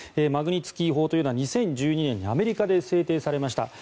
マグニツキー法というのは２０１２年にアメリカで制定されました。